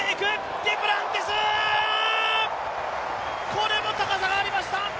これも高さがありました！